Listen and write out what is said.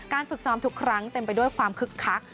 ฝึกซ้อมทุกครั้งเต็มไปด้วยความคึกคัก